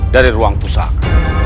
dari ruang pusat